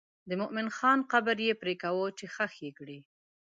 د مومن خان قبر یې پرېکاوه چې ښخ یې کړي.